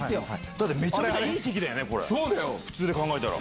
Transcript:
だってめちゃめちゃいい席だそうだよ、普通で考えたら。